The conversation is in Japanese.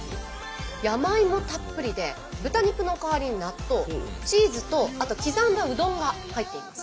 山芋たっぷりで豚肉の代わりに納豆チーズとあと刻んだうどんが入っています。